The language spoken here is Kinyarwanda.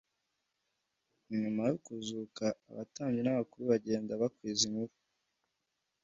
Nyuma yo kuzuka abatambyi n'abakuru bagenda bakwiza inkuru